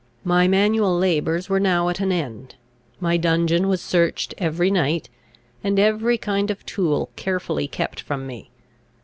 My manual labours were now at an end; my dungeon was searched every night, and every kind of tool carefully kept from me.